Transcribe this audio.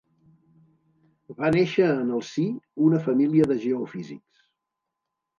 Va néixer en el si una família de geofísics.